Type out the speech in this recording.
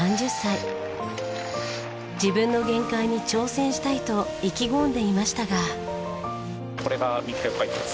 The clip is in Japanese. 自分の限界に挑戦したいと意気込んでいましたが。